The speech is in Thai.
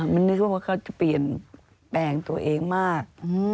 มันนึกว่าเขาจะเปลี่ยนแปลงตัวเองมาก